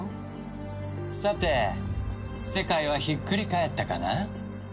さて世界はひっくり返ったかな？